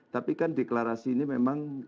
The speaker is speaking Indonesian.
tapi kan deklarasi ini memang